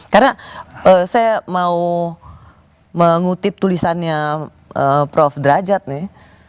karena saya mau mengutip tulisannya prof derajat nih